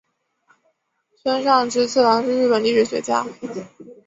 村上直次郎是日本历史学家。